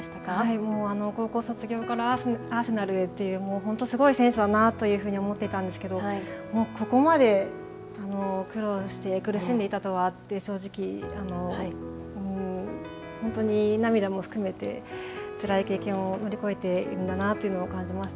もう高校卒業からアーセナルへって、もう本当すごい選手だなというふうに思っていたんですけれども、ここまで苦労して、苦しんでいたとは、正直、本当に涙も含めて、つらい経験を乗り越えているんだなというのを感じました。